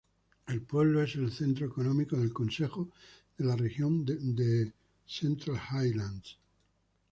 El pueblo es el centro económico del Consejo de la Región de Central Highlands.